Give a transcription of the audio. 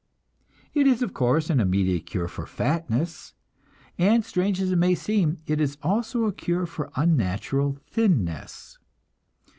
It is, of course, an immediate cure for fatness, and strange as it may seem, it is also a cure for unnatural thinness.